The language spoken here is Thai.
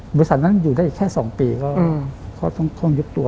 บริษัทนั้นอยู่ได้อีกแค่๒ปีก็ต้องยึดตัว